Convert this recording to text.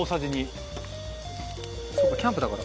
中丸：そうか、キャンプだから。